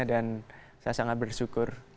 dan saya sangat bersyukur